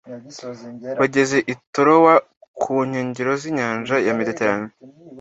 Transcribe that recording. Bageze i Tirowa ku nkengero z’inyanja ya Mediterane,